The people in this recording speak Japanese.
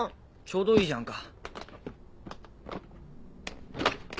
ちょうどいいじゃんか。